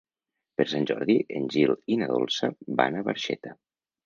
Per Sant Jordi en Gil i na Dolça van a Barxeta.